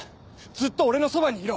ずっと俺のそばにいろ